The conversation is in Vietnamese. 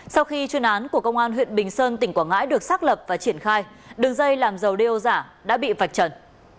sau khi chuyên án của công an huyện bình sơn tỉnh quảng ngãi được xác lập và triển khai đường dây làm dầu đeo giả đã bị vạch trần